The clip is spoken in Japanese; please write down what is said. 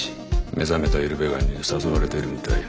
目覚めたイルベガンに誘われてるみたいで。